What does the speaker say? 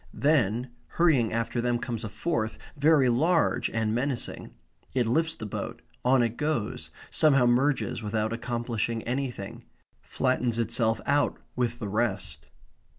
Then, hurrying after them comes a fourth, very large and menacing; it lifts the boat; on it goes; somehow merges without accomplishing anything; flattens itself out with the rest.